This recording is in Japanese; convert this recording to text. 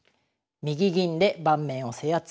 右銀で盤面を制圧。